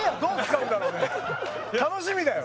楽しみだよ